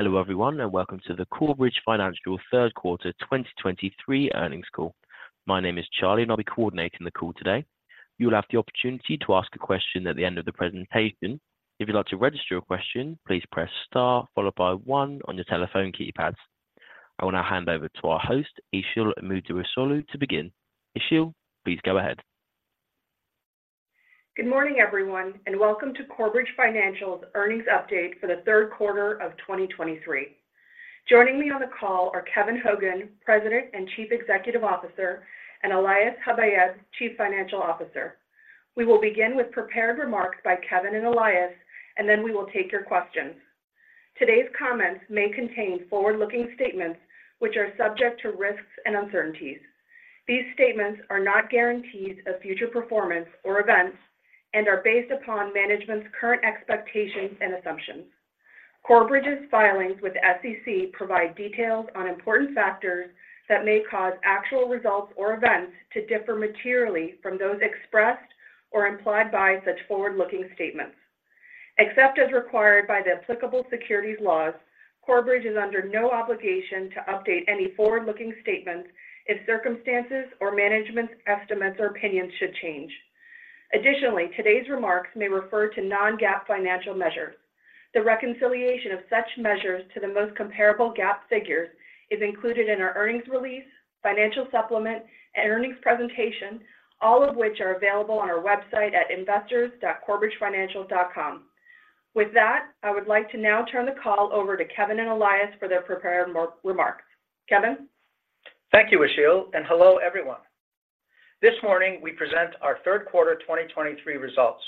Hello, everyone, and welcome to the Corebridge Financial Third Quarter 2023 Earnings Call. My name is Charlie, and I'll be coordinating the call today. You will have the opportunity to ask a question at the end of the presentation. If you'd like to register your question, please press Star, followed by one on your telephone keypads. I will now hand over to our host, Işıl Müderrisoğlu, to begin. Işıl, please go ahead. Good morning, everyone, and welcome to Corebridge Financial's earnings update for the third quarter of 2023. Joining me on the call are Kevin Hogan, President and Chief Executive Officer, and Elias Habayeb, Chief Financial Officer. We will begin with prepared remarks by Kevin and Elias, and then we will take your questions. Today's comments may contain forward-looking statements, which are subject to risks and uncertainties. These statements are not guarantees of future performance or events and are based upon management's current expectations and assumptions. Corebridge's filings with the SEC provide details on important factors that may cause actual results or events to differ materially from those expressed or implied by such forward-looking statements. Except as required by the applicable securities laws, Corebridge is under no obligation to update any forward-looking statements if circumstances or management's estimates or opinions should change. Additionally, today's remarks may refer to non-GAAP financial measures. The reconciliation of such measures to the most comparable GAAP figures is included in our earnings release, financial supplement, and earnings presentation, all of which are available on our website at investors.corebridgefinancial.com. With that, I would like to now turn the call over to Kevin and Elias for their prepared remarks. Kevin? Thank you, Işıl, and hello, everyone. This morning, we present our third quarter 2023 results.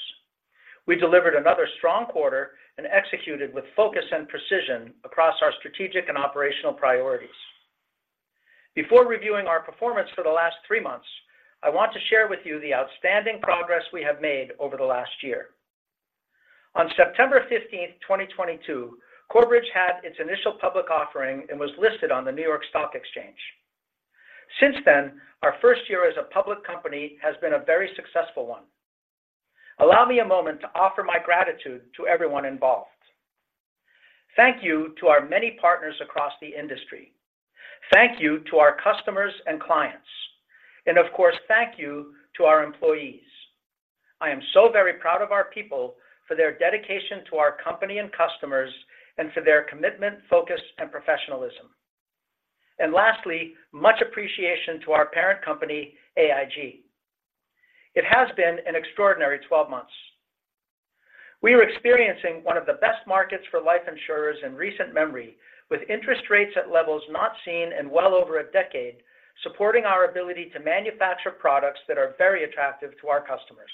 We delivered another strong quarter and executed with focus and precision across our strategic and operational priorities. Before reviewing our performance for the last three months, I want to share with you the outstanding progress we have made over the last year. On September fifteenth, 2022, Corebridge had its initial public offering and was listed on the New York Stock Exchange. Since then, our first year as a public company has been a very successful one. Allow me a moment to offer my gratitude to everyone involved. Thank you to our many partners across the industry. Thank you to our customers and clients, and of course, thank you to our employees. I am so very proud of our people for their dedication to our company and customers and for their commitment, focus, and professionalism. And lastly, much appreciation to our parent company, AIG. It has been an extraordinary 12 months. We are experiencing one of the best markets for life insurers in recent memory, with interest rates at levels not seen in well over a decade, supporting our ability to manufacture products that are very attractive to our customers.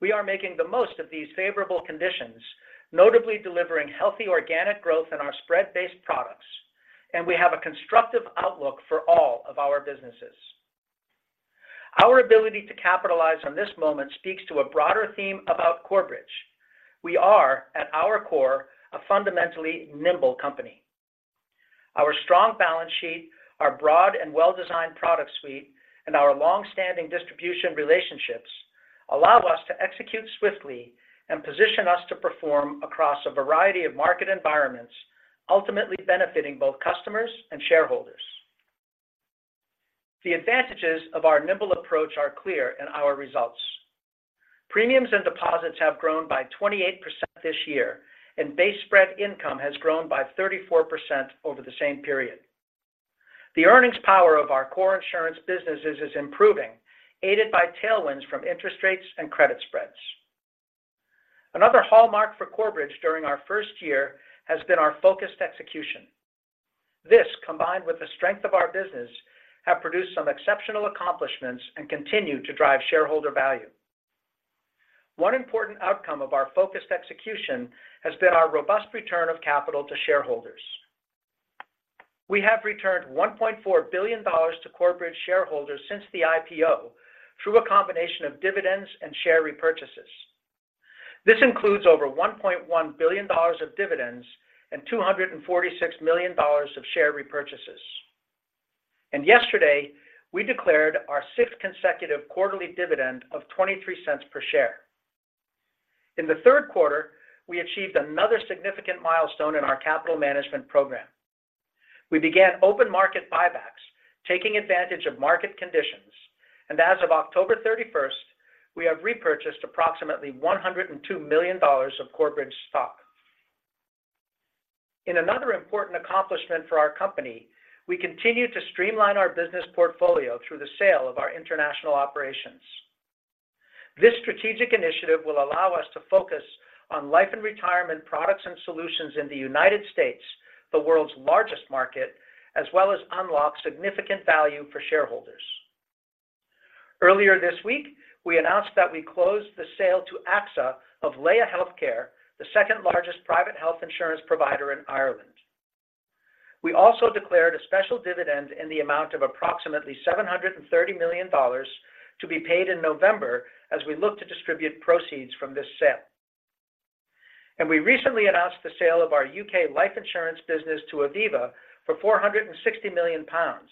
We are making the most of these favorable conditions, notably delivering healthy organic growth in our spread-based products, and we have a constructive outlook for all of our businesses. Our ability to capitalize on this moment speaks to a broader theme about Corebridge. We are, at our core, a fundamentally nimble company. Our strong balance sheet, our broad and well-designed product suite, and our long-standing distribution relationships allow us to execute swiftly and position us to perform across a variety of market environments, ultimately benefiting both customers and shareholders. The advantages of our nimble approach are clear in our results. Premiums and deposits have grown by 28% this year, and base spread income has grown by 34% over the same period. The earnings power of our core insurance businesses is improving, aided by tailwinds from interest rates and credit spreads. Another hallmark for Corebridge during our first year has been our focused execution. This, combined with the strength of our business, have produced some exceptional accomplishments and continue to drive shareholder value. One important outcome of our focused execution has been our robust return of capital to shareholders. We have returned $1.4 billion to Corebridge shareholders since the IPO through a combination of dividends and share repurchases. This includes over $1.1 billion of dividends and $246 million of share repurchases. Yesterday, we declared our sixth consecutive quarterly dividend of $0.23 per share. In the third quarter, we achieved another significant milestone in our capital management program. We began open market buybacks, taking advantage of market conditions, and as of October 31, we have repurchased approximately $102 million of Corebridge stock. In another important accomplishment for our company, we continue to streamline our business portfolio through the sale of our international operations. This strategic initiative will allow us to focus on life and retirement products and solutions in the United States, the world's largest market, as well as unlock significant value for shareholders. Earlier this week, we announced that we closed the sale to AXA of Laya Healthcare, the second largest private health insurance provider in Ireland. We also declared a special dividend in the amount of approximately $730 million to be paid in November as we look to distribute proceeds from this sale. We recently announced the sale of our U.K. Life Insurance business to Aviva for 460 million pounds,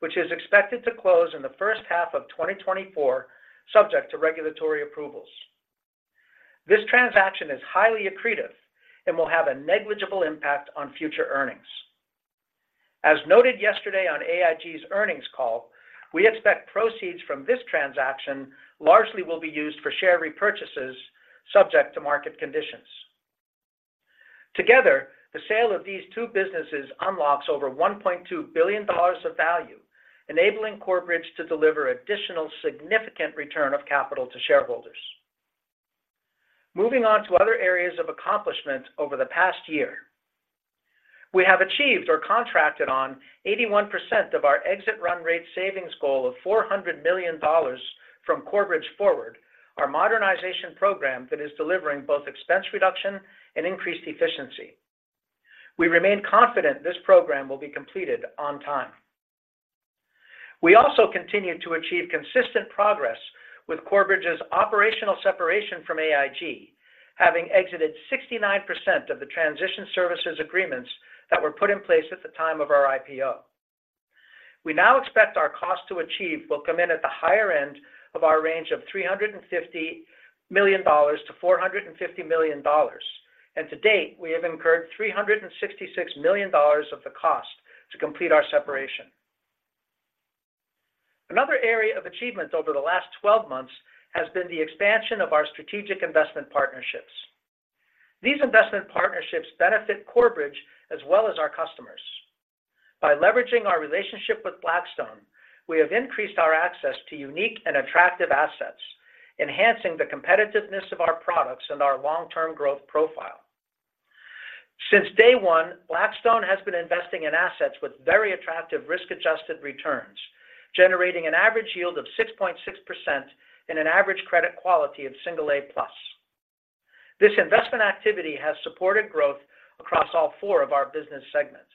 which is expected to close in the first half of 2024, subject to regulatory approvals. This transaction is highly accretive and will have a negligible impact on future earnings. As noted yesterday on AIG's earnings call, we expect proceeds from this transaction largely will be used for share repurchases, subject to market conditions. Together, the sale of these two businesses unlocks over $1.2 billion of value, enabling Corebridge to deliver additional significant return of capital to shareholders. Moving on to other areas of accomplishment over the past year. We have achieved or contracted on 81% of our exit run rate savings goal of $400 million from Corebridge Forward, our modernization program that is delivering both expense reduction and increased efficiency. We remain confident this program will be completed on time. We also continue to achieve consistent progress with Corebridge's operational separation from AIG, having exited 69% of the transition services agreements that were put in place at the time of our IPO. We now expect our cost to achieve will come in at the higher end of our range of $350 million-$450 million, and to date, we have incurred $366 million of the cost to complete our separation. Another area of achievement over the last 12 months has been the expansion of our strategic investment partnerships. These investment partnerships benefit Corebridge as well as our customers. By leveraging our relationship with Blackstone, we have increased our access to unique and attractive assets, enhancing the competitiveness of our products and our long-term growth profile. Since day one, Blackstone has been investing in assets with very attractive risk-adjusted returns, generating an average yield of 6.6% and an average credit quality of single A+. This investment activity has supported growth across all four of our business segments.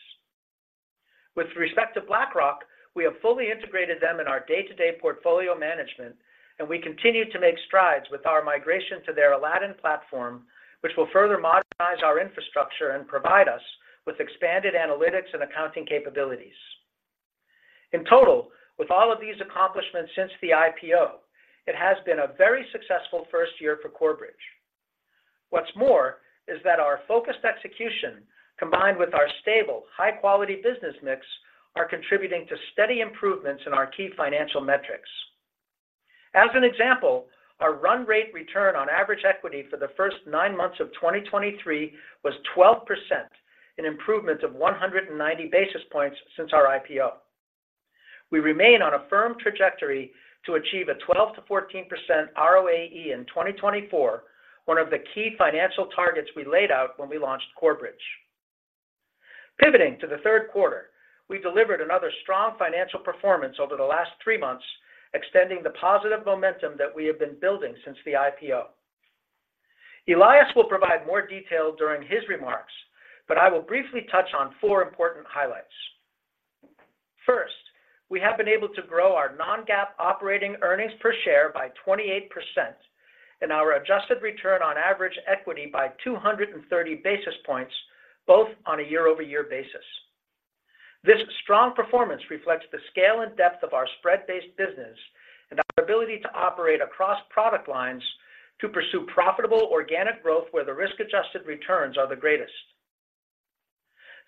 With respect to BlackRock, we have fully integrated them in our day-to-day portfolio management, and we continue to make strides with our migration to their Aladdin platform, which will further modernize our infrastructure and provide us with expanded analytics and accounting capabilities. In total, with all of these accomplishments since the IPO, it has been a very successful first year for Corebridge. What's more, is that our focused execution, combined with our stable, high-quality business mix, are contributing to steady improvements in our key financial metrics. As an example, our run rate return on average equity for the first nine months of 2023 was 12%, an improvement of 190 basis points since our IPO. We remain on a firm trajectory to achieve a 12%-14% ROAE in 2024, one of the key financial targets we laid out when we launched Corebridge. Pivoting to the third quarter, we delivered another strong financial performance over the last three months, extending the positive momentum that we have been building since the IPO. Elias will provide more detail during his remarks, but I will briefly touch on four important highlights. First, we have been able to grow our non-GAAP operating earnings per share by 28% and our adjusted return on average equity by 230 basis points, both on a year-over-year basis. This strong performance reflects the scale and depth of our spread-based business and our ability to operate across product lines to pursue profitable organic growth where the risk-adjusted returns are the greatest.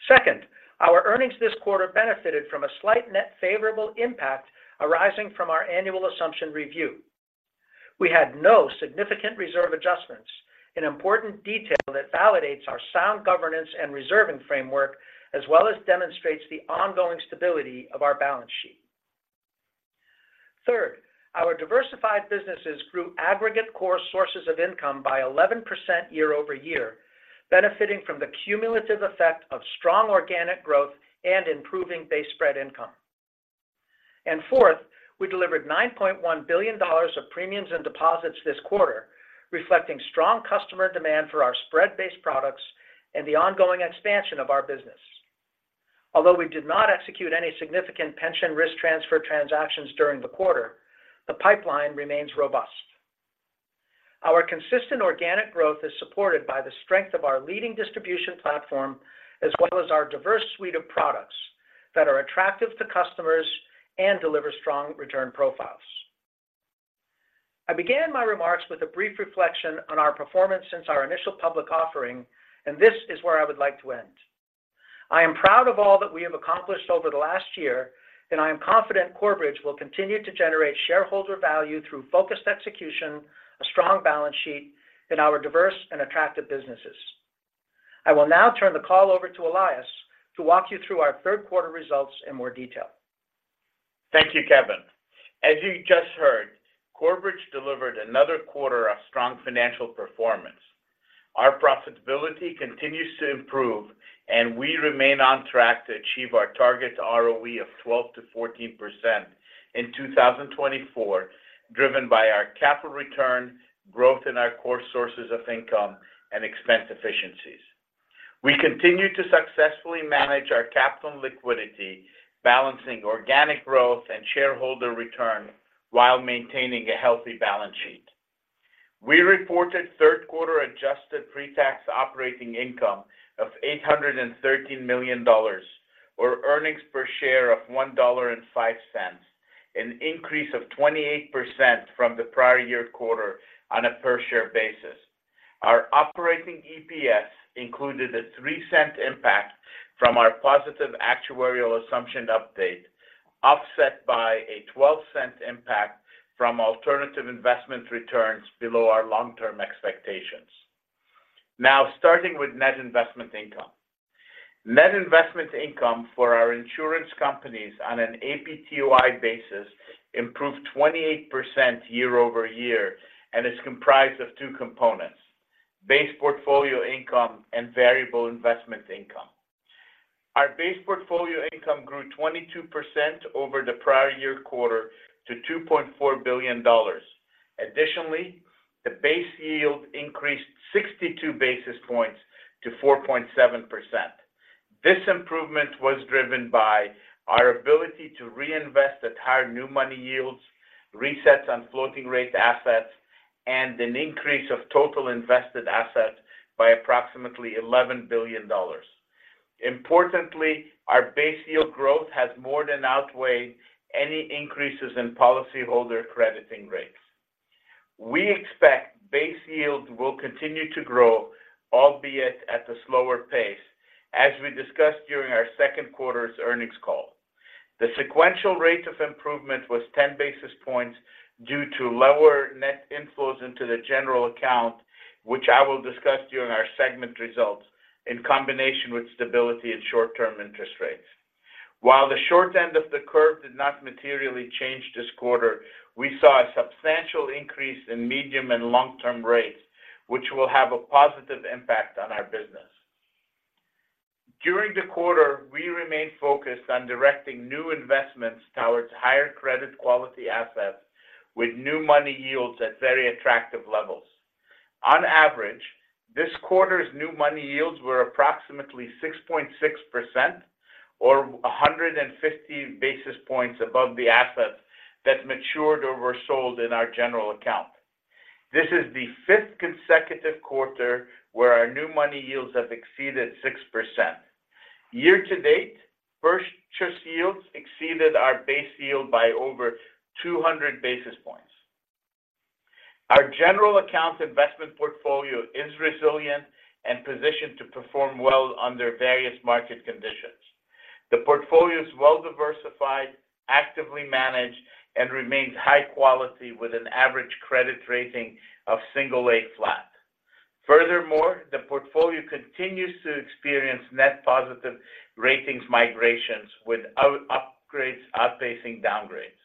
Second, our earnings this quarter benefited from a slight net favorable impact arising from our annual assumption review. We had no significant reserve adjustments, an important detail that validates our sound governance and reserving framework, as well as demonstrates the ongoing stability of our balance sheet. Third, our diversified businesses grew aggregate core sources of income by 11% year-over-year, benefiting from the cumulative effect of strong organic growth and improving base spread income. Fourth, we delivered $9.1 billion of premiums and deposits this quarter, reflecting strong customer demand for our spread-based products and the ongoing expansion of our business. Although we did not execute any significant Pension Risk Transfer transactions during the quarter, the pipeline remains robust. Our consistent organic growth is supported by the strength of our leading distribution platform, as well as our diverse suite of products that are attractive to customers and deliver strong return profiles. I began my remarks with a brief reflection on our performance since our initial public offering, and this is where I would like to end. I am proud of all that we have accomplished over the last year, and I am confident Corebridge will continue to generate shareholder value through focused execution, a strong balance sheet, and our diverse and attractive businesses. I will now turn the call over to Elias to walk you through our third quarter results in more detail. Thank you, Kevin. As you just heard, Corebridge delivered another quarter of strong financial performance. Our profitability continues to improve, and we remain on track to achieve our target ROE of 12%-14% in 2024, driven by our capital return, growth in our core sources of income, and expense efficiencies. We continue to successfully manage our capital and liquidity, balancing organic growth and shareholder return while maintaining a healthy balance sheet.... We reported third quarter adjusted pretax operating income of $813 million, or earnings per share of $1.05, an increase of 28% from the prior year quarter on a per-share basis. Our operating EPS included a $0.03 impact from our positive actuarial assumption update, offset by a $0.12 impact from alternative investment returns below our long-term expectations. Now, starting with net investment income. Net investment income for our insurance companies on an APTI basis improved 28% year-over-year and is comprised of two components: base portfolio income and variable investment income. Our base portfolio income grew 22% over the prior year quarter to $2.4 billion. Additionally, the base yield increased 62 basis points to 4.7%. This improvement was driven by our ability to reinvest at higher new money yields, resets on floating rate assets, and an increase of total invested assets by approximately $11 billion. Importantly, our base yield growth has more than outweighed any increases in policyholder crediting rates. We expect base yield will continue to grow, albeit at a slower pace, as we discussed during our second quarter's earnings call. The sequential rate of improvement was 10 basis points due to lower net inflows into the general account, which I will discuss during our segment results, in combination with stability in short-term interest rates. While the short end of the curve did not materially change this quarter, we saw a substantial increase in medium and long-term rates, which will have a positive impact on our business. During the quarter, we remained focused on directing new investments towards higher credit quality assets with new money yields at very attractive levels. On average, this quarter's new money yields were approximately 6.6% or 150 basis points above the assets that matured or were sold in our general account. This is the fifth consecutive quarter where our new money yields have exceeded 6%. Year to date, first trust yields exceeded our base yield by over 200 basis points. Our general account investment portfolio is resilient and positioned to perform well under various market conditions. The portfolio is well-diversified, actively managed, and remains high quality with an average credit rating of single A flat. Furthermore, the portfolio continues to experience net positive ratings migrations, with upgrades outpacing downgrades.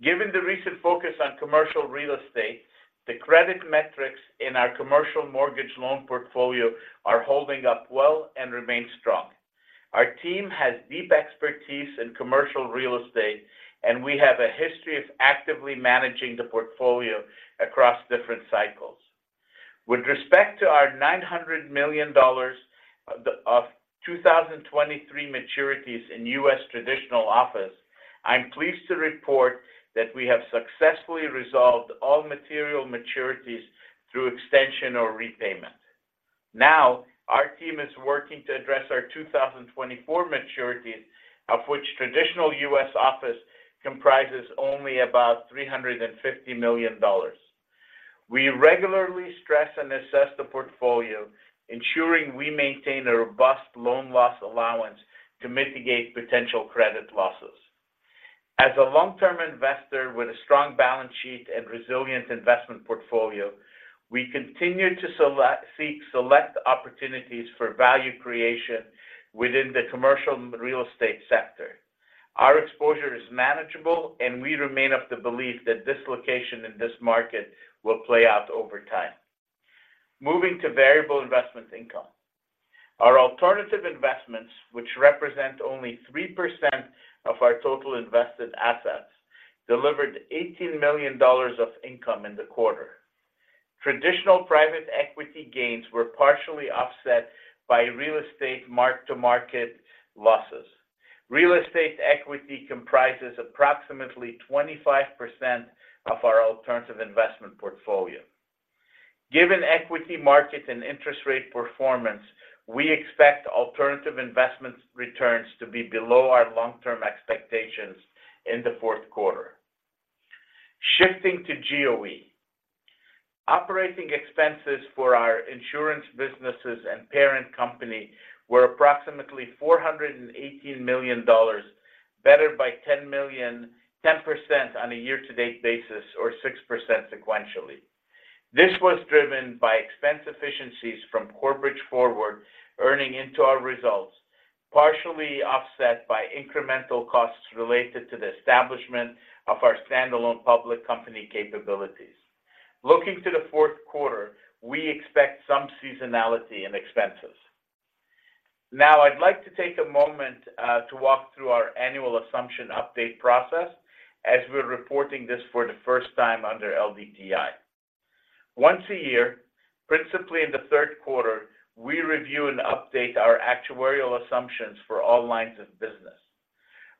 Given the recent focus on commercial real estate, the credit metrics in our commercial mortgage loan portfolio are holding up well and remain strong. Our team has deep expertise in commercial real estate, and we have a history of actively managing the portfolio across different cycles. With respect to our $900 million of 2023 maturities in U.S. traditional office, I'm pleased to report that we have successfully resolved all material maturities through extension or repayment. Now, our team is working to address our 2024 maturities, of which traditional U.S. office comprises only about $350 million. We regularly stress and assess the portfolio, ensuring we maintain a robust loan loss allowance to mitigate potential credit losses. As a long-term investor with a strong balance sheet and resilient investment portfolio, we continue to seek select opportunities for value creation within the commercial real estate sector. Our exposure is manageable, and we remain of the belief that dislocation in this market will play out over time. Moving to variable investment income. Our alternative investments, which represent only 3% of our total invested assets, delivered $18 million of income in the quarter. Traditional private equity gains were partially offset by real estate mark-to-market losses. Real estate equity comprises approximately 25% of our alternative investment portfolio. Given equity market and interest rate performance, we expect alternative investment returns to be below our long-term expectations in the fourth quarter. Shifting to GOE. Operating expenses for our insurance businesses and parent company were approximately $418 million, better by $10 million, 10% on a year-to-date basis or 6% sequentially. This was driven by expense efficiencies from Corebridge Forward, earning into our results, partially offset by incremental costs related to the establishment of our standalone public company capabilities. Looking to the fourth quarter, we expect some seasonality in expenses. Now, I'd like to take a moment to walk through our annual assumption update process as we're reporting this for the first time under LDTI. Once a year, principally in the third quarter, we review and update our actuarial assumptions for all lines of business....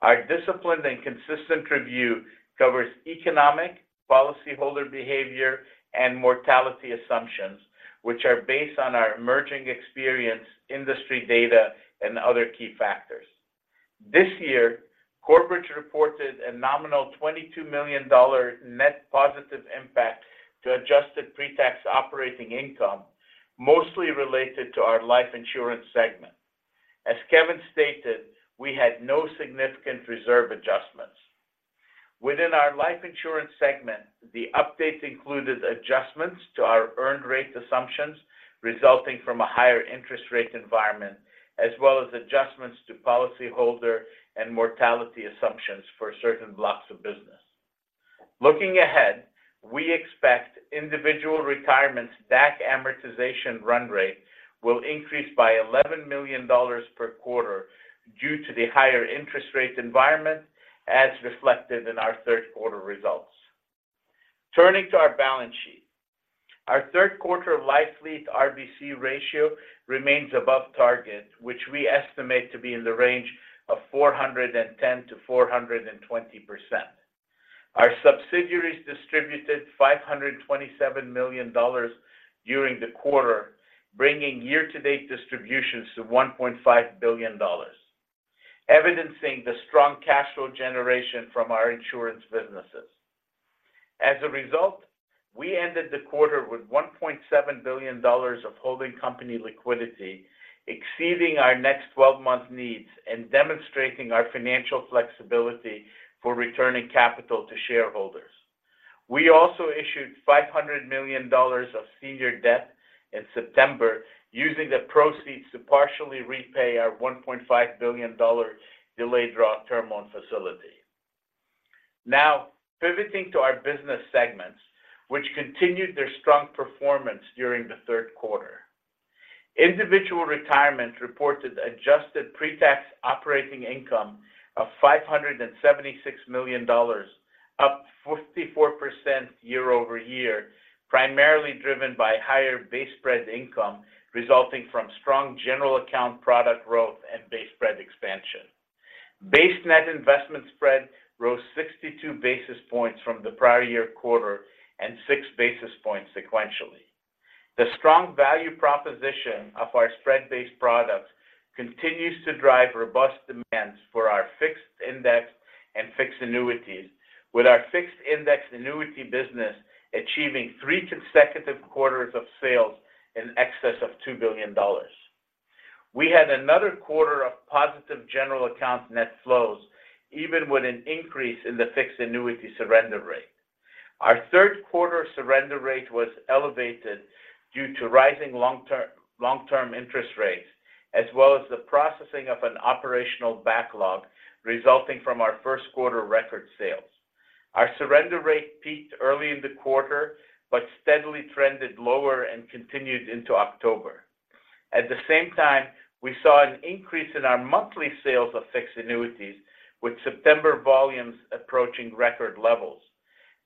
Our disciplined and consistent review covers economic, policyholder behavior, and mortality assumptions, which are based on our emerging experience, industry data, and other key factors. This year, Corebridge reported a nominal $22 million net positive impact to adjusted pre-tax operating income, mostly related to our life insurance segment. As Kevin stated, we had no significant reserve adjustments. Within our life insurance segment, the updates included adjustments to our earned rate assumptions, resulting from a higher interest rate environment, as well as adjustments to policyholder and mortality assumptions for certain blocks of business. Looking ahead, we expect Individual Retirement DAC amortization run rate will increase by $11 million per quarter due to the higher interest rate environment, as reflected in our third quarter results. Turning to our balance sheet. Our third quarter Life Fleet RBC ratio remains above target, which we estimate to be in the range of 410%-420%. Our subsidiaries distributed $527 million during the quarter, bringing year-to-date distributions to $1.5 billion, evidencing the strong cash flow generation from our insurance businesses. As a result, we ended the quarter with $1.7 billion of holding company liquidity, exceeding our next twelve-month needs and demonstrating our financial flexibility for returning capital to shareholders. We also issued $500 million of senior debt in September, using the proceeds to partially repay our $1.5 billion delayed draw term loan facility. Now, pivoting to our business segments, which continued their strong performance during the third quarter. Individual Retirement reported adjusted pre-tax operating income of $576 million, up 44% year-over-year, primarily driven by higher base spread income, resulting from strong general account product growth and base spread expansion. Base net investment spread rose 62 basis points from the prior year quarter and 6 basis points sequentially. The strong value proposition of our spread-based products continues to drive robust demands for our fixed index and fixed annuities, with our fixed index annuity business achieving three consecutive quarters of sales in excess of $2 billion. We had another quarter of positive general account net flows, even with an increase in the fixed annuity surrender rate. Our third quarter surrender rate was elevated due to rising long-term, long-term interest rates, as well as the processing of an operational backlog resulting from our first quarter record sales. Our surrender rate peaked early in the quarter, but steadily trended lower and continued into October. At the same time, we saw an increase in our monthly sales of fixed annuities, with September volumes approaching record levels.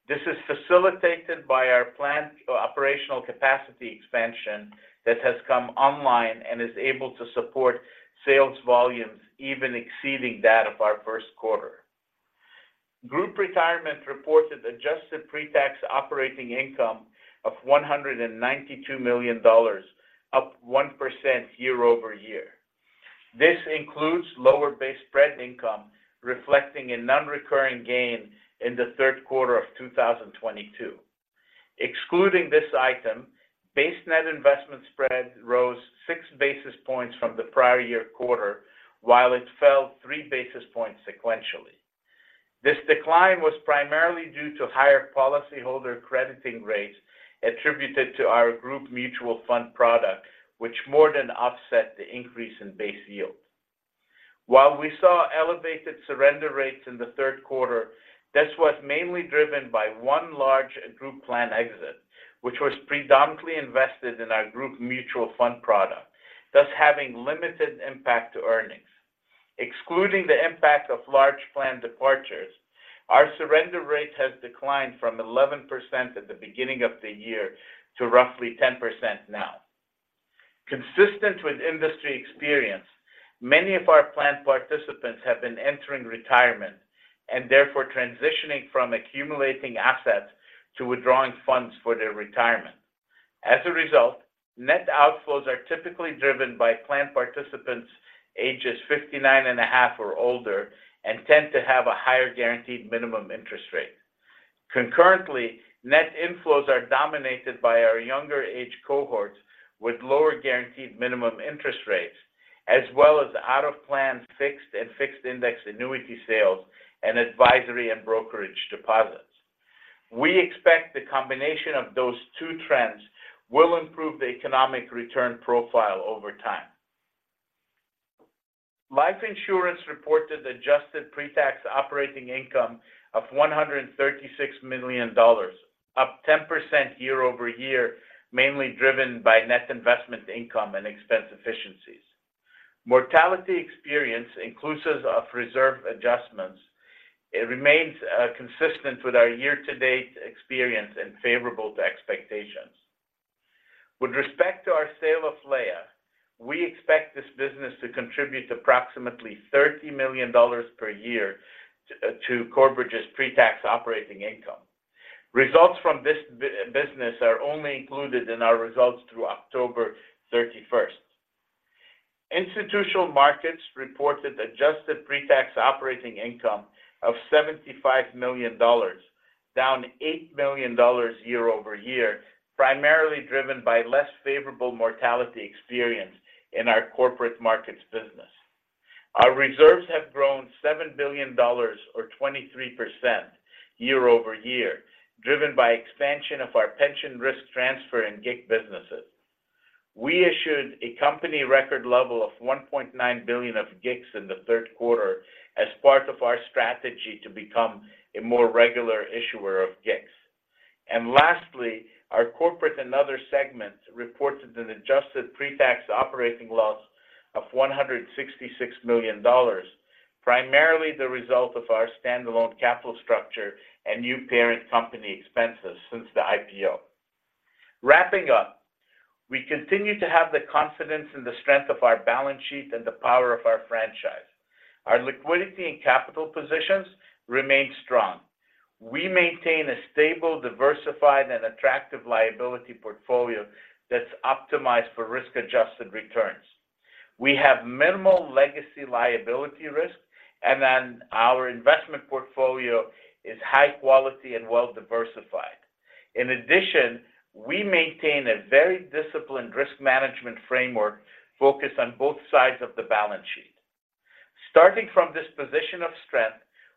This is facilitated by our planned operational capacity expansion that has come online and is able to support sales volumes even exceeding that of our first quarter. Group Retirement reported adjusted pre-tax operating income of $192 million, up 1% year-over-year. This includes lower base spread income, reflecting a non-recurring gain in the third quarter of 2022. Excluding this item, base net investment spread rose six basis points from the prior year quarter, while it fell three basis points sequentially. This decline was primarily due to higher policyholder crediting rates attributed to our group mutual fund product, which more than offset the increase in base yield. While we saw elevated surrender rates in the third quarter, this was mainly driven by one large group plan exit, which was predominantly invested in our group mutual fund product, thus having limited impact to earnings. Excluding the impact of large plan departures, our surrender rate has declined from 11% at the beginning of the year to roughly 10% now. Consistent with industry experience, many of our plan participants have been entering retirement and therefore transitioning from accumulating assets to withdrawing funds for their retirement. As a result, net outflows are typically driven by plan participants ages 59.5 or older and tend to have a higher guaranteed minimum interest rate. Concurrently, net inflows are dominated by our younger age cohorts with lower guaranteed minimum interest rates, as well as out-of-plan fixed and fixed index annuity sales and advisory and brokerage deposits. We expect the combination of those two trends will improve the economic return profile over time. Life Insurance reported adjusted pre-tax operating income of $136 million, up 10% year-over-year, mainly driven by net investment income and expense efficiencies. Mortality experience, inclusive of reserve adjustments, it remains consistent with our year-to-date experience and favorable to expectations. With respect to our sale of Laya, we expect this business to contribute approximately $30 million per year to Corebridge's pre-tax operating income. Results from this business are only included in our results through October 31st. Institutional Markets reported adjusted pre-tax operating income of $75 million, down $8 million year-over-year, primarily driven by less favorable mortality experience in our corporate markets business. Our reserves have grown $7 billion or 23% year-over-year, driven by expansion of our Pension Risk Transfer and GIC businesses. We issued a company record level of $1.9 billion of GICs in the third quarter as part of our strategy to become a more regular issuer of GICs. Lastly, our Corporate and Other segments reported an adjusted pre-tax operating loss of $166 million, primarily the result of our standalone capital structure and new parent company expenses since the IPO. Wrapping up, we continue to have the confidence in the strength of our balance sheet and the power of our franchise. Our liquidity and capital positions remain strong. We maintain a stable, diversified, and attractive liability portfolio that's optimized for risk-adjusted returns. We have minimal legacy liability risk, and then our investment portfolio is high quality and well diversified. In addition, we maintain a very disciplined risk management framework focused on both sides of the balance sheet. Starting from this position of strength,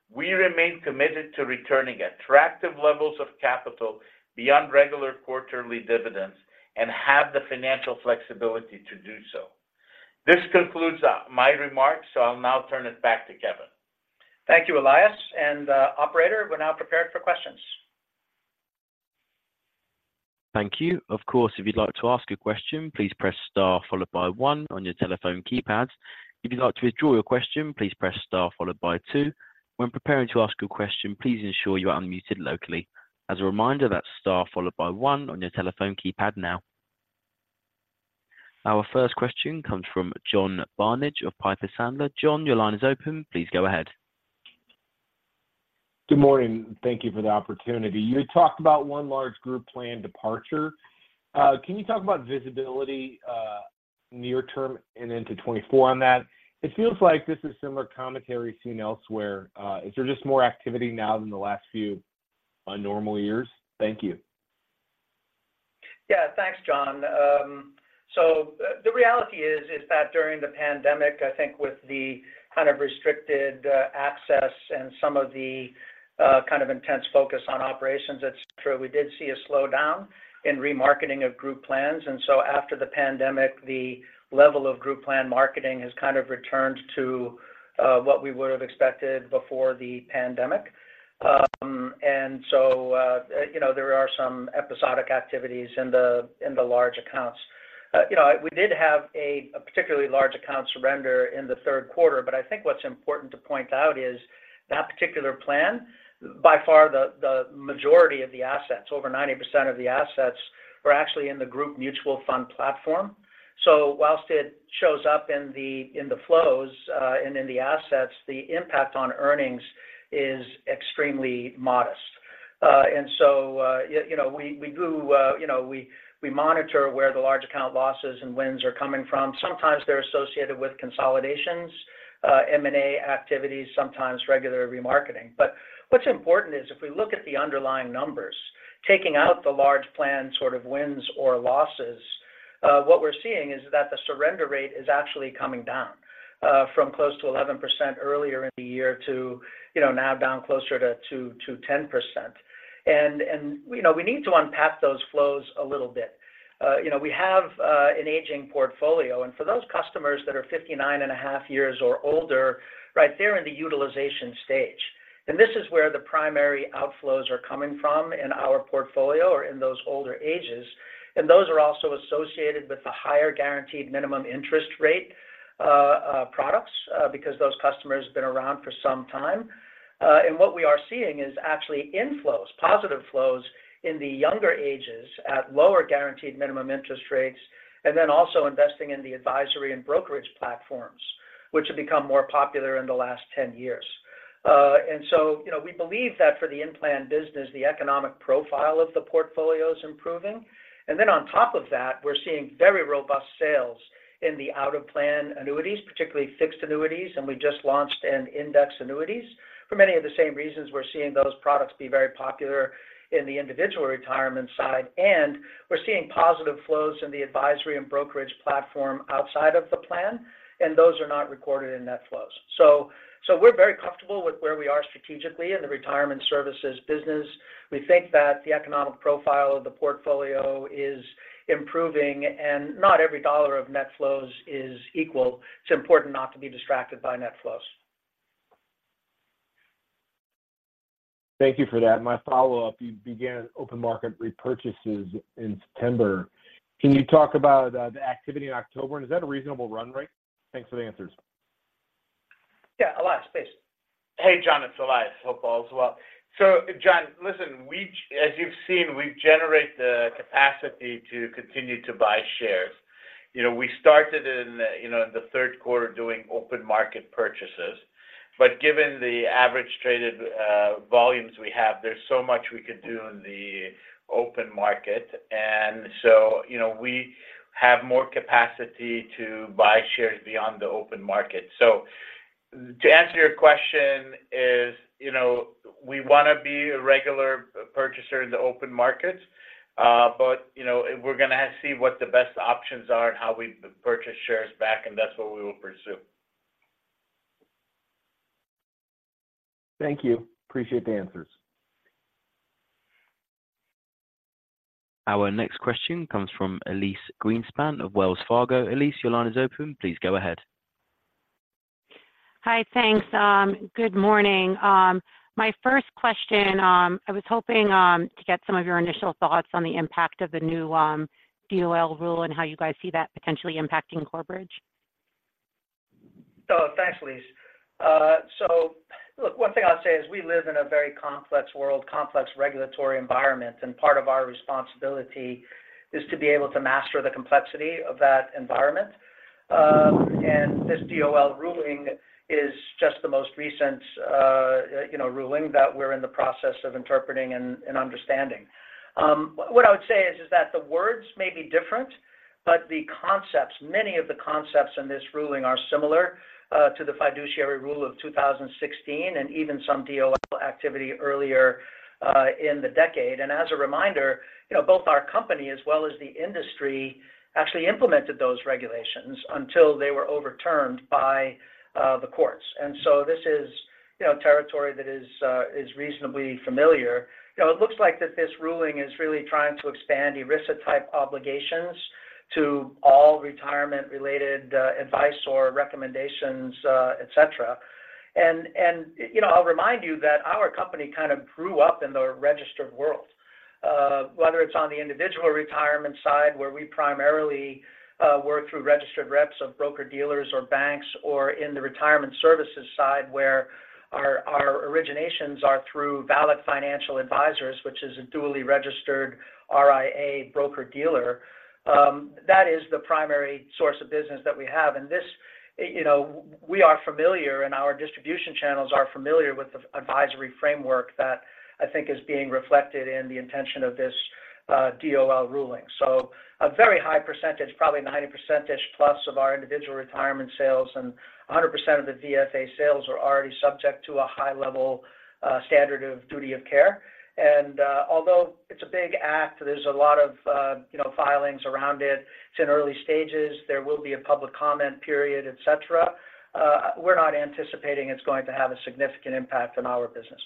we remain committed to returning attractive levels of capital beyond regular quarterly dividends and have the financial flexibility to do so. This concludes my remarks, so I'll now turn it back to Kevin. Thank you, Elias. And, operator, we're now prepared for questions. Thank you. Of course, if you'd like to ask a question, please press star followed by one on your telephone keypad. If you'd like to withdraw your question, please press star followed by two. When preparing to ask a question, please ensure you are unmuted locally. As a reminder, that's star followed by one on your telephone keypad now. Our first question comes from John Barnidge of Piper Sandler. John, your line is open. Please go ahead. Good morning, and thank you for the opportunity. You talked about one large group plan departure. Can you talk about visibility, near term and into 2024 on that? It feels like this is similar commentary seen elsewhere. Is there just more activity now than the last few normal years? Thank you. Yeah, thanks, John. So the reality is that during the pandemic, I think with the kind of restricted access and some of the kind of intense focus on operations, et cetera, we did see a slowdown in remarketing of group plans. And so after the pandemic, the level of group plan marketing has kind of returned to what we would have expected before the pandemic. And so you know, there are some episodic activities in the large accounts. You know, we did have a particularly large account surrender in the third quarter, but I think what's important to point out is that particular plan, by far, the majority of the assets, over 90% of the assets, were actually in the group mutual fund platform. So while it shows up in the, in the flows, and in the assets, the impact on earnings is extremely modest. And so, you know, we do, you know, we monitor where the large account losses and wins are coming from. Sometimes they're associated with consolidations, M&A activities, sometimes regular remarketing. But what's important is if we look at the underlying numbers, taking out the large plan, sort of wins or losses, what we're seeing is that the surrender rate is actually coming down, from close to 11% earlier in the year to, you know, now down closer to 10%. And, you know, we need to unpack those flows a little bit. You know, we have an aging portfolio, and for those customers that are 59.5 years or older, right, they're in the utilization stage. This is where the primary outflows are coming from in our portfolio or in those older ages, and those are also associated with the higher guaranteed minimum interest rate products, because those customers have been around for some time. And what we are seeing is actually inflows, positive flows in the younger ages at lower guaranteed minimum interest rates, and then also investing in the advisory and brokerage platforms, which have become more popular in the last 10 years. And so, you know, we believe that for the in-plan business, the economic profile of the portfolio is improving. And then on top of that, we're seeing very robust sales in the out-of-plan annuities, particularly fixed annuities, and we just launched an index annuities. For many of the same reasons, we're seeing those products be very popular in the Individual Retirement side, and we're seeing positive flows in the advisory and brokerage platform outside of the plan, and those are not recorded in net flows. So, we're very comfortable with where we are strategically in the retirement services business. We think that the economic profile of the portfolio is improving, and not every dollar of net flows is equal. It's important not to be distracted by net flows. Thank you for that. My follow-up, you began open market repurchases in September. Can you talk about the activity in October, and is that a reasonable run rate? Thanks for the answers. ... Yeah, Elias, please. Hey, John, it's Elias. Hope all is well. So John, listen, we've—as you've seen, we've generated the capacity to continue to buy shares. You know, we started in the, you know, in the third quarter doing open market purchases. But given the average traded volumes we have, there's so much we could do in the open market. And so, you know, we have more capacity to buy shares beyond the open market. So to answer your question is, you know, we want to be a regular purchaser in the open markets, but, you know, we're going to have to see what the best options are and how we purchase shares back, and that's what we will pursue. Thank you. Appreciate the answers. Our next question comes from Elyse Greenspan of Wells Fargo. Elyse, your line is open. Please go ahead. Hi, thanks. Good morning. My first question, I was hoping to get some of your initial thoughts on the impact of the new DOL rule and how you guys see that potentially impacting Corebridge. So thanks, Elyse. So look, one thing I'll say is we live in a very complex world, complex regulatory environment, and part of our responsibility is to be able to master the complexity of that environment. And this DOL ruling is just the most recent, you know, ruling that we're in the process of interpreting and understanding. What I would say is that the words may be different, but the concepts, many of the concepts in this ruling are similar to the fiduciary rule of 2016, and even some DOL activity earlier in the decade. And as a reminder, you know, both our company as well as the industry actually implemented those regulations until they were overturned by the courts. And so this is, you know, territory that is reasonably familiar. You know, it looks like that this ruling is really trying to expand ERISA type obligations to all retirement-related advice or recommendations, et cetera. And, you know, I'll remind you that our company kind of grew up in the registered world, whether it's on the Individual Retirement side, where we primarily work through registered reps of broker-dealers or banks, or in the retirement services side, where our originations are through VALIC Financial Advisors, which is a duly registered RIA broker-dealer. That is the primary source of business that we have. And this, you know, we are familiar and our distribution channels are familiar with the advisory framework that I think is being reflected in the intention of this DOL ruling. A very high percentage, probably 90%+ of our Individual Retirement sales and 100% of the VFA sales are already subject to a high-level standard of duty of care. Although it's a big act, there's a lot of, you know, filings around it. It's in early stages. There will be a public comment period, et cetera. We're not anticipating it's going to have a significant impact on our business.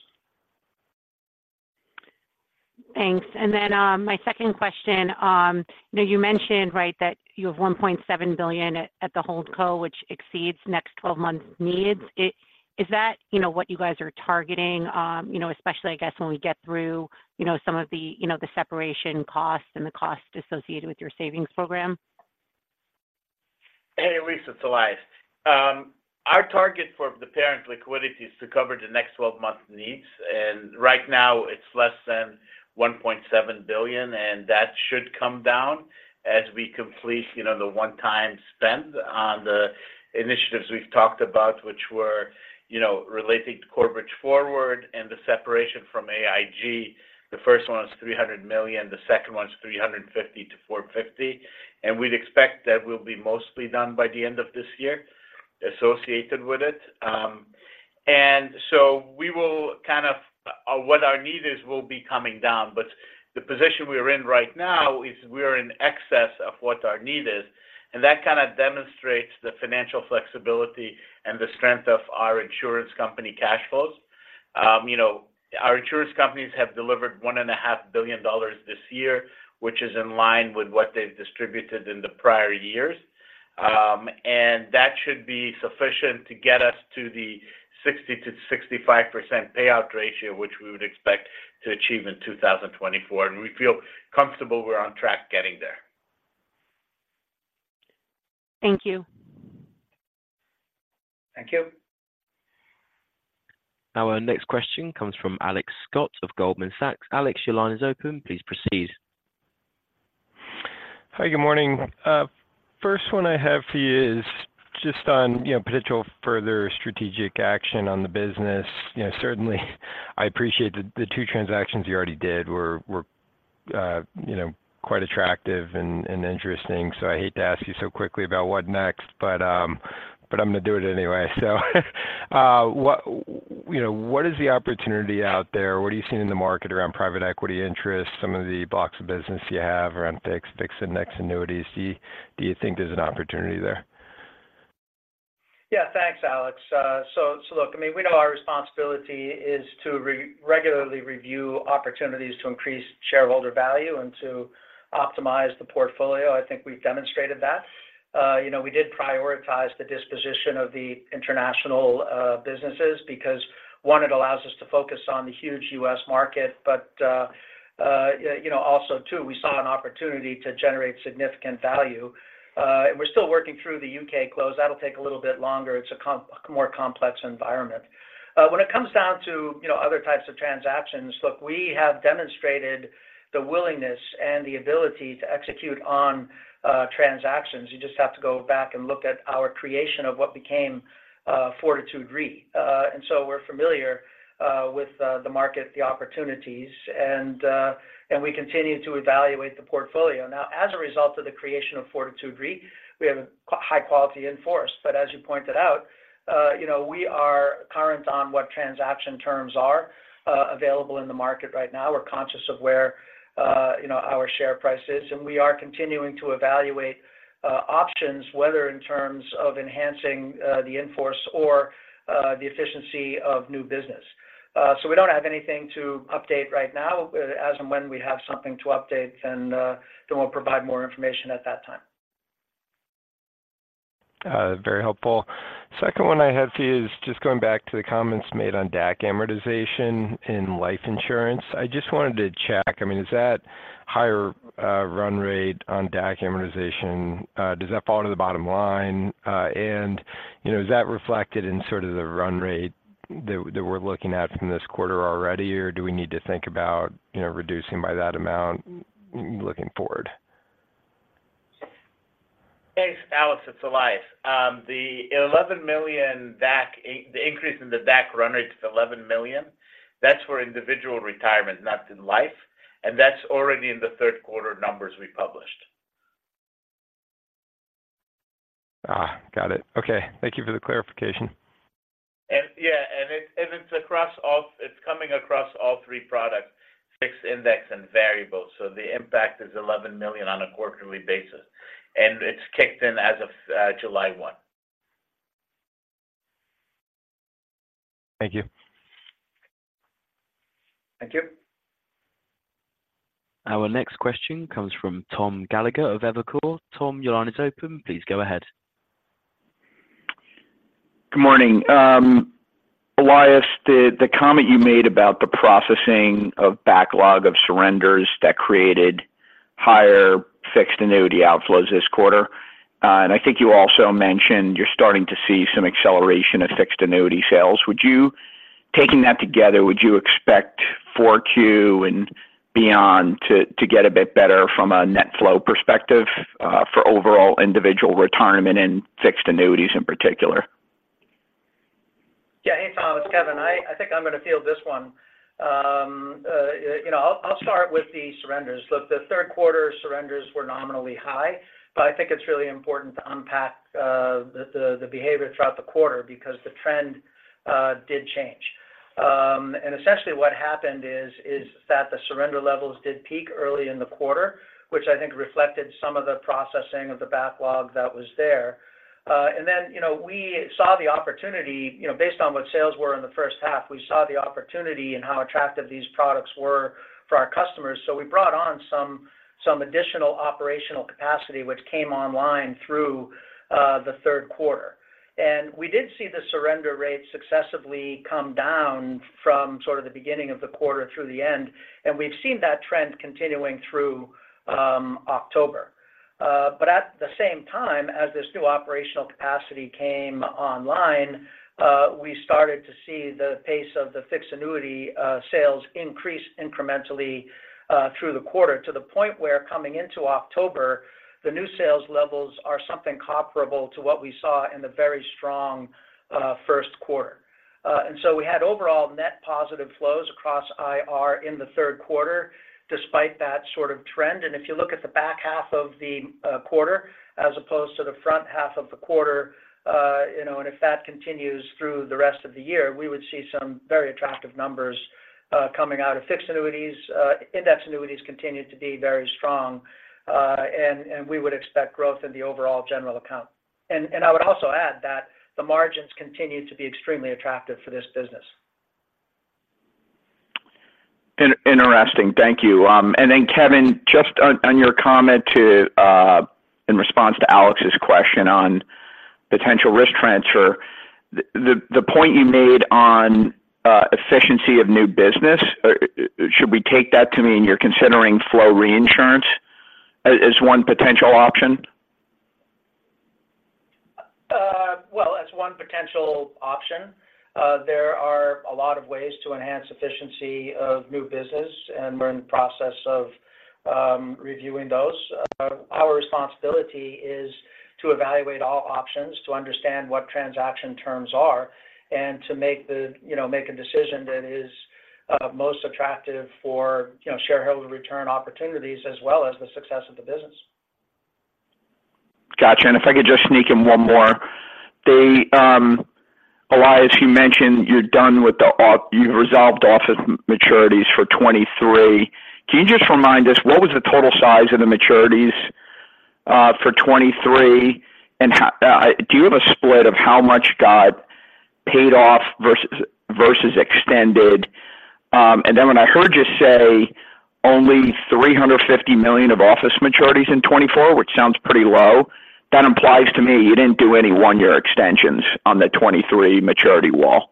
Thanks. And then, my second question, you know, you mentioned, right, that you have $1.7 billion at the hold co, which exceeds next twelve months needs. Is, is that, you know, what you guys are targeting? You know, especially, I guess, when we get through, you know, some of the, you know, the separation costs and the cost associated with your savings program. Hey, Elyse, it's Elias. Our target for the parent liquidity is to cover the next 12 months needs, and right now it's less than $1.7 billion, and that should come down as we complete, you know, the one-time spend on the initiatives we've talked about, which were, you know, relating to Corebridge Forward and the separation from AIG. The first one is $300 million, the second one is $350 million-$450 million, and we'd expect that we'll be mostly done by the end of this year, associated with it. And so we will kind of, what our need is, will be coming down, but the position we're in right now is we're in excess of what our need is, and that kind of demonstrates the financial flexibility and the strength of our insurance company cash flows. You know, our insurance companies have delivered $1.5 billion this year, which is in line with what they've distributed in the prior years. And that should be sufficient to get us to the 60%-65% payout ratio, which we would expect to achieve in 2024, and we feel comfortable we're on track getting there. Thank you. Thank you. Our next question comes from Alex Scott of Goldman Sachs. Alex, your line is open. Please proceed. Hi, good morning. First one I have for you is just on, you know, potential further strategic action on the business. You know, certainly, I appreciate the two transactions you already did were, you know, quite attractive and interesting. So I hate to ask you so quickly about what next, but I'm going to do it anyway. So, what, you know, what is the opportunity out there? What are you seeing in the market around private equity interests, some of the blocks of business you have around fixed index annuities? Do you think there's an opportunity there? Yeah. Thanks, Alex. So look, I mean, we know our responsibility is to regularly review opportunities to increase shareholder value and to optimize the portfolio. I think we've demonstrated that. You know, we did prioritize the disposition of the international businesses because, one, it allows us to focus on the huge U.S. market, but you know, also too, we saw an opportunity to generate significant value. And we're still working through the U.K. close. That'll take a little bit longer. It's a more complex environment. When it comes down to, you know, other types of transactions, look, we have demonstrated the willingness and the ability to execute on transactions. You just have to go back and look at our creation of what became Fortitude Re. And so we're familiar with the market, the opportunities, and we continue to evaluate the portfolio. Now, as a result of the creation of Fortitude Re, we have a high quality in force. But as you pointed out, you know, we are current on what transaction terms are available in the market right now. We're conscious of where, you know, our share price is, and we are continuing to evaluate options, whether in terms of enhancing the in-force or the efficiency of new business. So we don't have anything to update right now. But as and when we have something to update, then we'll provide more information at that time. Very helpful. Second one I had for you is just going back to the comments made on DAC amortization in life insurance. I just wanted to check. I mean, is that higher run rate on DAC amortization? Does that fall to the bottom line? And, you know, is that reflected in sort of the run rate that we're looking at from this quarter already, or do we need to think about, you know, reducing by that amount looking forward? Thanks, Alex. It's Elias. The $11 million DAC, the increase in the DAC run rate to $11 million, that's for Individual Retirement, not in life, and that's already in the third quarter numbers we published. Ah, got it. Okay. Thank you for the clarification. Yeah, it's across all three products, fixed, index, and variable, so the impact is $11 million on a quarterly basis, and it's kicked in as of July 1. Thank you. Thank you. Our next question comes from Tom Gallagher of Evercore. Tom, your line is open. Please go ahead. Good morning. Elias, the comment you made about the processing of backlog of surrenders that created higher fixed annuity outflows this quarter, and I think you also mentioned you're starting to see some acceleration of fixed annuity sales. Taking that together, would you expect for Q and beyond to get a bit better from a net flow perspective, for overall Individual Retirement and fixed annuities in particular? Yeah. Hey, Tom, it's Kevin. I think I'm gonna field this one. You know, I'll start with the surrenders. Look, the third quarter surrenders were nominally high, but I think it's really important to unpack the behavior throughout the quarter because the trend did change. And essentially what happened is that the surrender levels did peak early in the quarter, which I think reflected some of the processing of the backlog that was there. And then, you know, we saw the opportunity, you know, based on what sales were in the first half, we saw the opportunity and how attractive these products were for our customers. So we brought on some additional operational capacity, which came online through the third quarter. And we did see the surrender rate successively come down from sort of the beginning of the quarter through the end, and we've seen that trend continuing through October. But at the same time, as this new operational capacity came online, we started to see the pace of the Fixed Annuity sales increase incrementally through the quarter, to the point where coming into October, the new sales levels are something comparable to what we saw in the very strong first quarter. And so we had overall net positive flows across IR in the third quarter, despite that sort of trend. If you look at the back half of the quarter, as opposed to the front half of the quarter, you know, and if that continues through the rest of the year, we would see some very attractive numbers coming out of fixed annuities. Indexed annuities continued to be very strong, and we would expect growth in the overall general account. I would also add that the margins continue to be extremely attractive for this business. Interesting. Thank you. And then, Kevin, just on your comment in response to Alex's question on potential risk transfer, the point you made on efficiency of new business, should we take that to mean you're considering flow reinsurance as one potential option? Well, as one potential option, there are a lot of ways to enhance efficiency of new business, and we're in the process of reviewing those. Our responsibility is to evaluate all options, to understand what transaction terms are, and to make, you know, a decision that is most attractive for, you know, shareholder return opportunities as well as the success of the business. Gotcha. And if I could just sneak in one more: Elias, you mentioned you're done with the office—you've resolved office maturities for 2023. Can you just remind us, what was the total size of the maturities for 2023? And how do you have a split of how much got paid off versus extended? And then when I heard you say only $350 million of office maturities in 2024, which sounds pretty low- ... That implies to me you didn't do any one-year extensions on the 2023 maturity wall.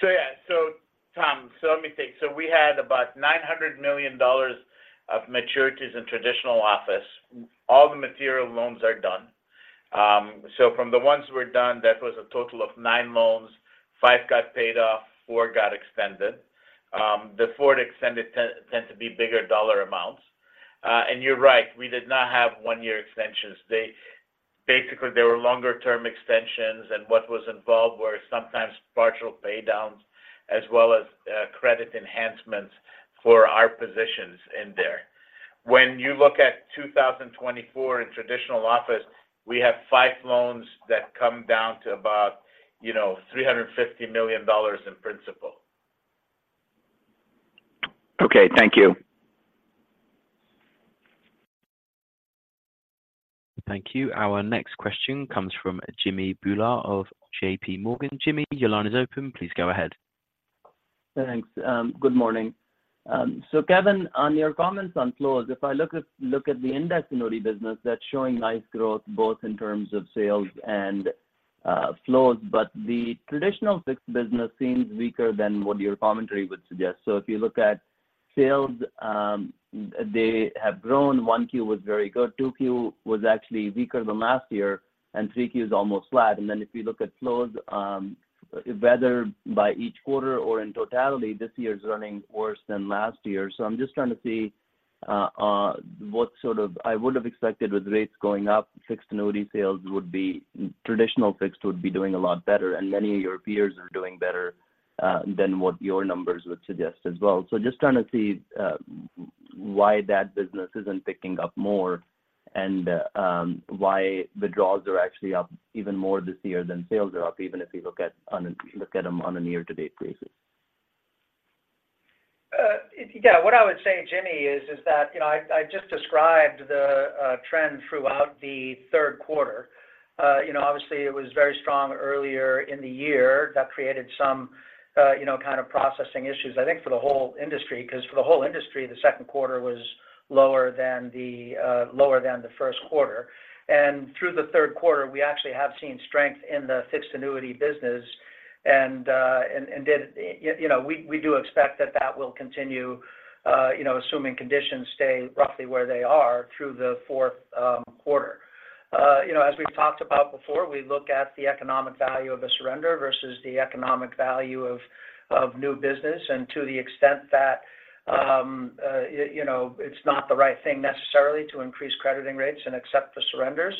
So yeah. So Tom, so let me think. So we had about $900 million of maturities in traditional office. All the material loans are done. So from the ones we're done, that was a total of nine loans. Five got paid off, four got extended. The four that extended tend to be bigger dollar amounts. And you're right, we did not have one-year extensions. They basically, they were longer-term extensions, and what was involved were sometimes partial pay downs, as well as credit enhancements for our positions in there. When you look at 2024 in traditional office, we have five loans that come down to about, you know, $350 million in principal. Okay, thank you. Thank you. Our next question comes from Jimmy Bhullar of JPMorgan. Jimmy, your line is open. Please go ahead. Thanks. Good morning. So Kevin, on your comments on flows, if I look at the index annuity business, that's showing nice growth both in terms of sales and flows, but the traditional fixed business seems weaker than what your commentary would suggest. So if you look at sales, they have grown. 1Q was very good, 2Q was actually weaker than last year, and 3Q is almost flat. And then if you look at flows, whether by each quarter or in totality, this year's running worse than last year. So I'm just trying to see what sort of I would have expected with rates going up, fixed annuity sales would be traditional fixed would be doing a lot better, and many of your peers are doing better than what your numbers would suggest as well. Just trying to see why that business isn't picking up more, and why the draws are actually up even more this year than sales are up, even if you look at them on a year-to-date basis. Yeah. What I would say, Jimmy, is that, you know, I just described the trend throughout the third quarter. You know, obviously, it was very strong earlier in the year. That created some, you know, kind of processing issues, I think, for the whole industry, because for the whole industry, the second quarter was lower than the first quarter. And through the third quarter, we actually have seen strength in the Fixed Annuity business, and then, you know, we do expect that will continue, you know, assuming conditions stay roughly where they are through the fourth quarter. You know, as we've talked about before, we look at the economic value of a surrender versus the economic value of new business, and to the extent that you know, it's not the right thing necessarily to increase crediting rates and accept the surrenders.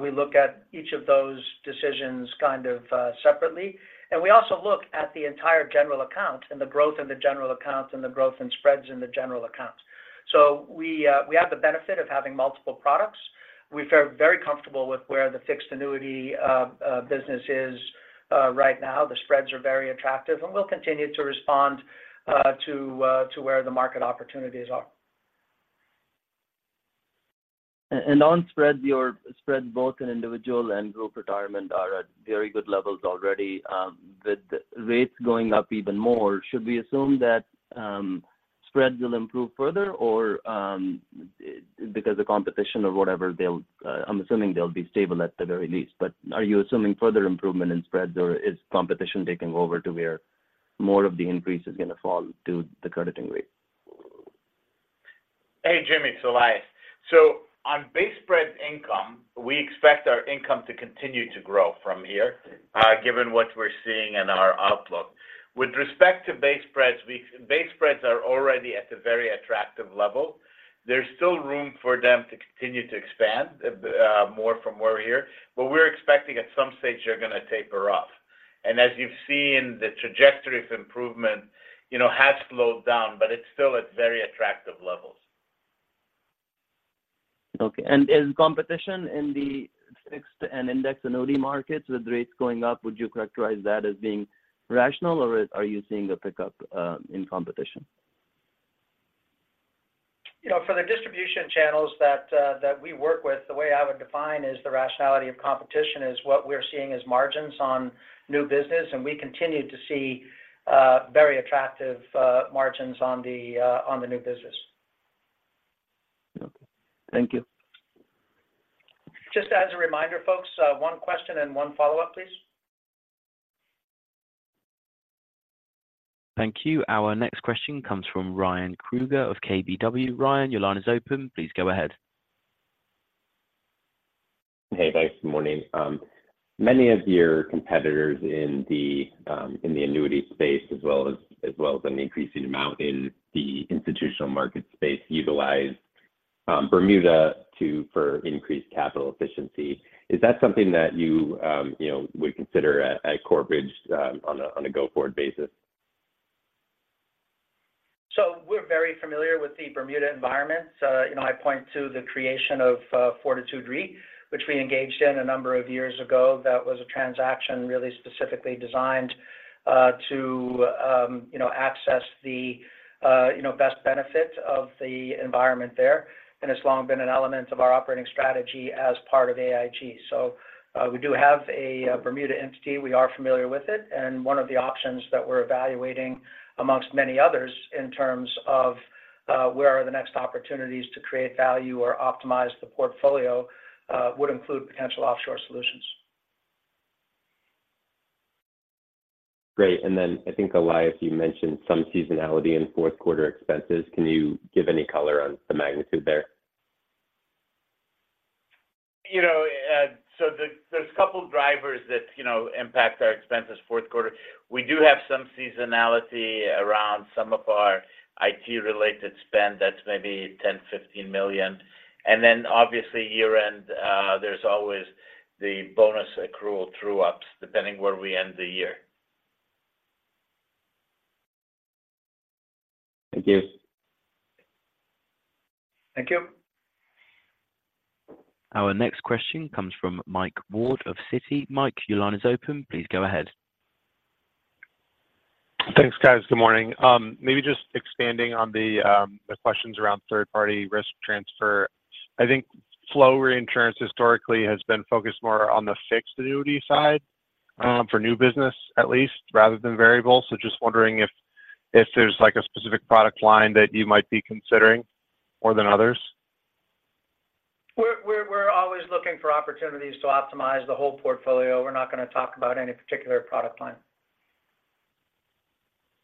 We look at each of those decisions kind of separately. We also look at the entire general account and the growth in the general accounts, and the growth in spreads in the general accounts. We have the benefit of having multiple products. We feel very comfortable with where the fixed annuity business is right now. The spreads are very attractive, and we'll continue to respond to where the market opportunities are. And on spread, your spread, both in Individual and Group Retirement, are at very good levels already. With the rates going up even more, should we assume that spreads will improve further? Or, because the competition or whatever, they'll, I'm assuming they'll be stable at the very least, but are you assuming further improvement in spreads, or is competition taking over to where more of the increase is going to fall to the crediting rate? Hey, Jimmy, it's Elias. So on base spread income, we expect our income to continue to grow from here, given what we're seeing in our outlook. With respect to base spreads, base spreads are already at a very attractive level. There's still room for them to continue to expand, more from where we're here, but we're expecting at some stage they're going to taper off. And as you've seen, the trajectory of improvement, you know, has slowed down, but it's still at very attractive levels. Okay. Is competition in the fixed and index annuity markets with rates going up, would you characterize that as being rational, or are you seeing a pickup in competition? You know, for the distribution channels that, that we work with, the way I would define is the rationality of competition is what we're seeing as margins on new business, and we continue to see very attractive margins on the new business. Okay. Thank you. Just as a reminder, folks, one question and one follow-up, please. Thank you. Our next question comes from Ryan Kruger of KBW. Ryan, your line is open. Please go ahead. Hey, guys. Good morning. Many of your competitors in the annuity space, as well as an increasing amount in the institutional market space, utilize Bermuda for increased capital efficiency. Is that something that you, you know, would consider at Corebridge on a go-forward basis? So we're very familiar with the Bermuda environment. You know, I point to the creation of Fortitude Re, which we engaged in a number of years ago. That was a transaction really specifically designed to you know access the you know best benefits of the environment there, and it's long been an element of our operating strategy as part of AIG. So we do have a Bermuda entity. We are familiar with it, and one of the options that we're evaluating, among many others, in terms of where are the next opportunities to create value or optimize the portfolio would include potential offshore solutions.... Great. And then I think, Elias, you mentioned some seasonality in fourth quarter expenses. Can you give any color on the magnitude there? You know, so there, there's a couple drivers that, you know, impact our expenses fourth quarter. We do have some seasonality around some of our IT-related spend, that's maybe $10-$15 million. And then obviously, year-end, there's always the bonus accrual true-ups, depending where we end the year. Thank you. Thank you. Our next question comes from Mike Ward of Citi. Mike, your line is open. Please go ahead. Thanks, guys. Good morning. Maybe just expanding on the questions around third-party risk transfer. I think flow reinsurance historically has been focused more on the fixed annuity side, for new business at least, rather than variable. So just wondering if there's like a specific product line that you might be considering more than others? We're always looking for opportunities to optimize the whole portfolio. We're not gonna talk about any particular product line.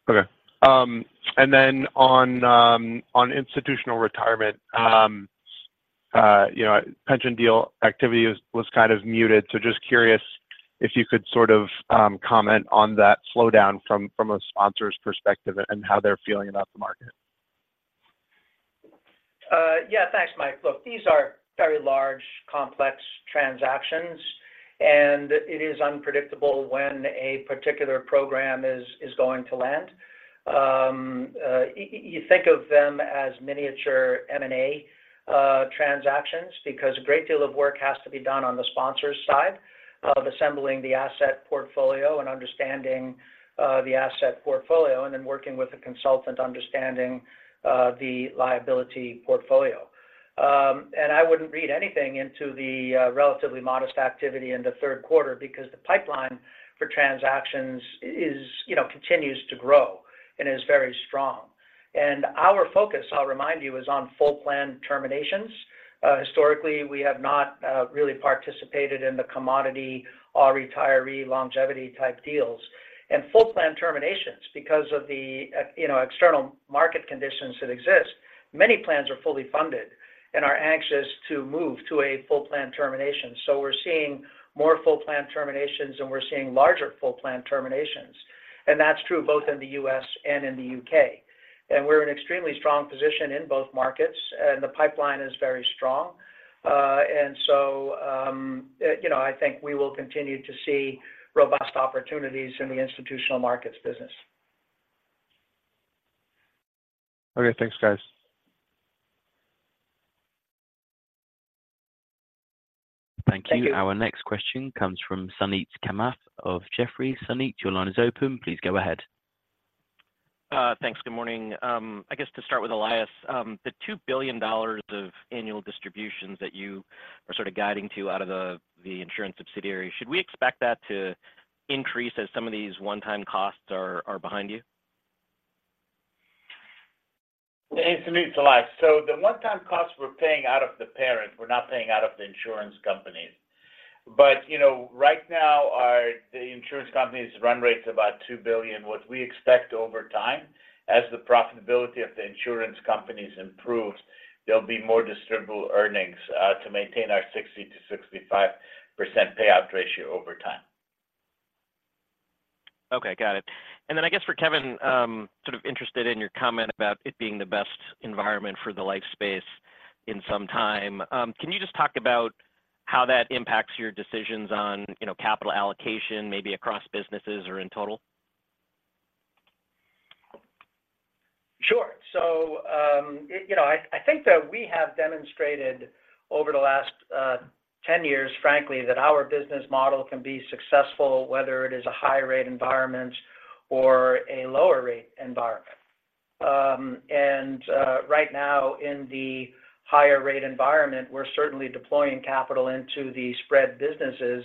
Okay. And then on institutional retirement, you know, pension deal activity is, was kind of muted. Just curious if you could sort of comment on that slowdown from a sponsor's perspective and how they're feeling about the market. Yeah. Thanks, Mike. Look, these are very large, complex transactions, and it is unpredictable when a particular program is going to land. You think of them as miniature M&A transactions, because a great deal of work has to be done on the sponsor's side of assembling the asset portfolio and understanding the asset portfolio, and then working with a consultant, understanding the liability portfolio. And I wouldn't read anything into the relatively modest activity in the third quarter because the pipeline for transactions is, you know, continues to grow and is very strong. And our focus, I'll remind you, is on full plan terminations. Historically, we have not really participated in the commodity or retiree longevity-type deals. And full plan terminations because of the, you know, external market conditions that exist, many plans are fully funded and are anxious to move to a full plan termination. So we're seeing more full plan terminations, and we're seeing larger full plan terminations, and that's true both in the U.S. and in the U.K. And we're in extremely strong position in both markets, and the pipeline is very strong. And so, you know, I think we will continue to see robust opportunities in the Institutional Markets business. Okay. Thanks, guys. Thank you. Thank you. Our next question comes from Suneet Kamath of Jefferies. Suneet, your line is open. Please go ahead. Thanks. Good morning. I guess to start with Elias, the $2 billion of annual distributions that you are sort of guiding to out of the insurance subsidiary, should we expect that to increase as some of these one-time costs are behind you? Hey, Suneet, it's Elias. So the one-time costs we're paying out of the parent, we're not paying out of the insurance companies. But, you know, right now, our, the insurance company's run rate is about $2 billion. What we expect over time, as the profitability of the insurance companies improves, there'll be more distributable earnings, to maintain our 60%-65% payout ratio over time. Okay, got it. And then I guess for Kevin, sort of interested in your comment about it being the best environment for the life space in some time. Can you just talk about how that impacts your decisions on, you know, capital allocation, maybe across businesses or in total? Sure. So, you know, I think that we have demonstrated over the last 10 years, frankly, that our business model can be successful, whether it is a high-rate environment or a lower-rate environment. And right now, in the higher rate environment, we're certainly deploying capital into the spread businesses,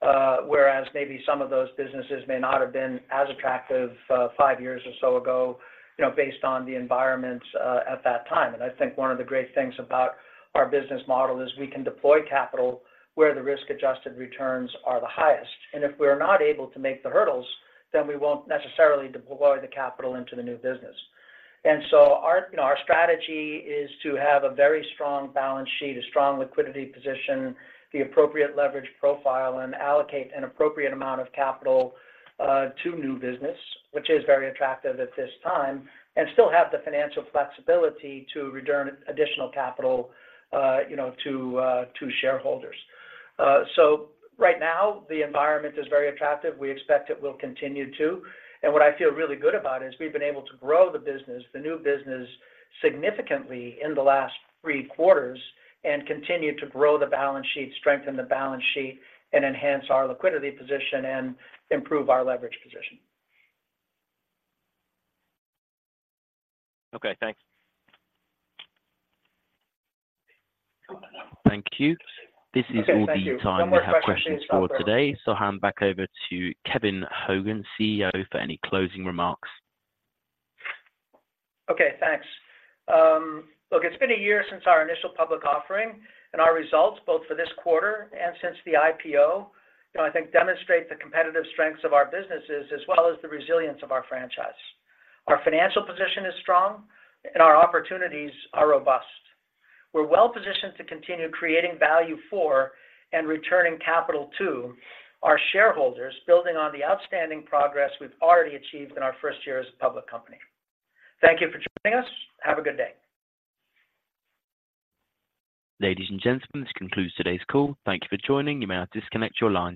whereas maybe some of those businesses may not have been as attractive five years or so ago, you know, based on the environments at that time. And I think one of the great things about our business model is we can deploy capital where the risk-adjusted returns are the highest. And if we're not able to make the hurdles, then we won't necessarily deploy the capital into the new business. And so our, you know, our strategy is to have a very strong balance sheet, a strong liquidity position, the appropriate leverage profile, and allocate an appropriate amount of capital to new business, which is very attractive at this time, and still have the financial flexibility to return additional capital, you know, to shareholders. So right now, the environment is very attractive. We expect it will continue to. And what I feel really good about is we've been able to grow the business, the new business, significantly in the last three quarters and continue to grow the balance sheet, strengthen the balance sheet, and enhance our liquidity position and improve our leverage position. Okay, thanks. Thank you. Okay, thank you. This is all the time we have questions for today. No more questions. I'll hand back over to Kevin Hogan, CEO, for any closing remarks. Okay, thanks. Look, it's been a year since our initial public offering, and our results, both for this quarter and since the IPO, you know, I think demonstrate the competitive strengths of our businesses, as well as the resilience of our franchise. Our financial position is strong, and our opportunities are robust. We're well positioned to continue creating value for and returning capital to our shareholders, building on the outstanding progress we've already achieved in our first year as a public company. Thank you for joining us. Have a good day. Ladies and gentlemen, this concludes today's call. Thank you for joining. You may now disconnect your lines.